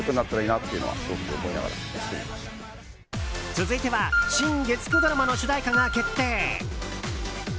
続いては新月９ドラマの主題歌が決定。